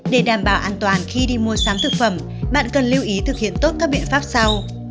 để đảm bảo an toàn khi đi mua sắm thực phẩm bạn cần lưu ý thực hiện tốt các biện pháp sau